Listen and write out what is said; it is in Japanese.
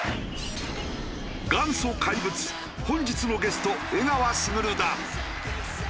元祖怪物本日のゲスト江川卓だ。